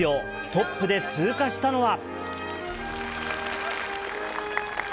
トップで通過したのは。